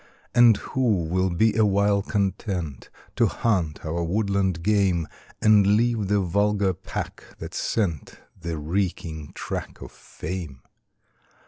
And who will be awhile content To hunt our woodland game, And leave the vulgar pack that scent The reeking track of fame?